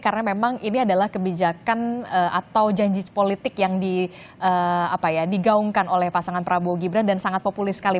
karena memang ini adalah kebijakan atau janji politik yang digaungkan oleh pasangan prabowo gibran dan sangat populis sekali